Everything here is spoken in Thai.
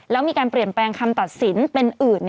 แล้วมีการเปลี่ยนแปลงคำตัดสินเป็นอื่น